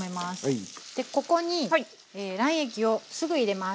でここに卵液をすぐ入れます。